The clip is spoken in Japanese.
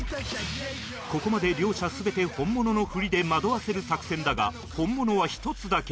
ここまで両者全て本物のふりで惑わせる作戦だが本物は１つだけ